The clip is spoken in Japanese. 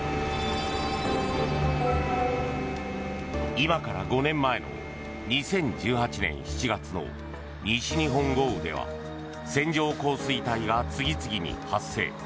今から５年前の２０１８年７月の西日本豪雨では線状降水帯が次々に発生。